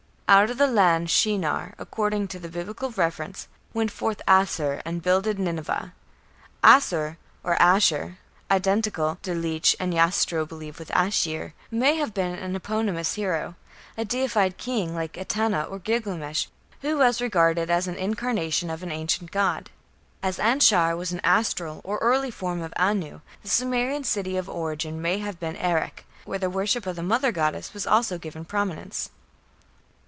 "Out of that land (Shinar)", according to the Biblical reference, "went forth Asshur, and builded Nineveh." Asshur, or Ashur (identical, Delitzsch and Jastrow believe, with Ashir), may have been an eponymous hero a deified king like Etana, or Gilgamesh, who was regarded as an incarnation of an ancient god. As Anshar was an astral or early form of Anu, the Sumerian city of origin may have been Erech, where the worship of the mother goddess was also given prominence.